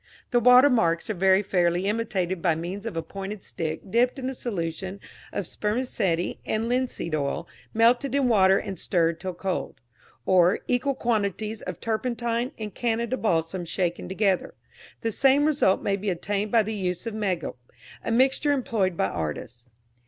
The watermarks are very fairly imitated by means of a pointed stick dipped in a solution of spermaceti and linseed oil melted in water and stirred till cold; or, equal quantities of turpentine and Canada balsam shaken together. The same result may be obtained by the use of megilp, a mixture employed by artists.